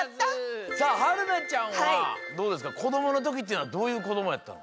さあ春菜ちゃんはどうですかこどものときっていうのはどういうこどもやった？